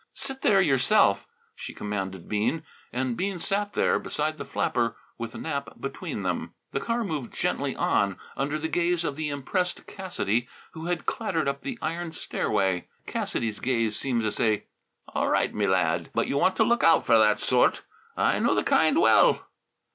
"Sit there yourself," she commanded Bean. And Bean sat there beside the flapper, with Nap between them. The car moved gently on under the gaze of the impressed Cassidy, who had clattered up the iron stairway. Cassidy's gaze seemed to say, "All right, me lad, but you want t' look out f'r that sort. I know th' kind well!"